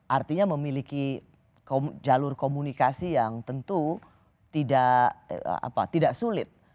artinya memiliki jalur komunikasi yang tentu tidak sulit